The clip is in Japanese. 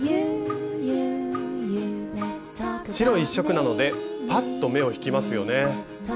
白１色なのでパッと目を引きますよね。